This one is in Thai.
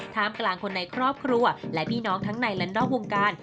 กลางคนในครอบครัวและพี่น้องทั้งในและนอกวงการ